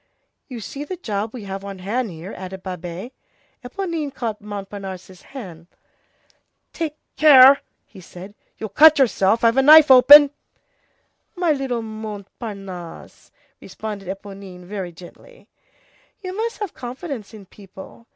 "You see the job we have on hand here," added Babet. Éponine caught Montparnasse's hand. "Take care," said he, "you'll cut yourself, I've a knife open." "My little Montparnasse," responded Éponine very gently, "you must have confidence in people.